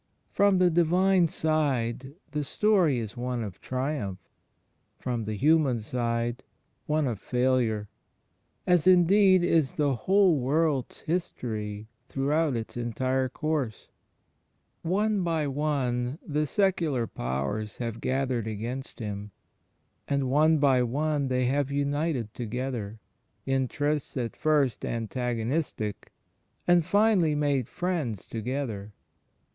From the Divine side the story is one of triimiph; from the himian side one of failure — as, indeed, is the whole world's history through out its entire coiurse. X5S 156 THE FRIENDSHIP OF CHRIST One by one the Secular Powers have gathered against Him, and one by one they have united together — interests at first antagonistic, and finally made friends together.